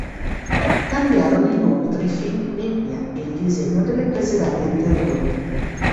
Cambiarono inoltre i fendinebbia e il disegno delle prese d'aria anteriori.